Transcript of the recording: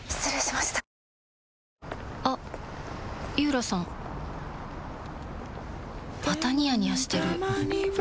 またニヤニヤしてるふふ。